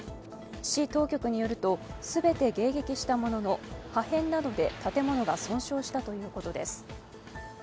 市当局によると全て迎撃したものの破片などで建物が損傷したということです。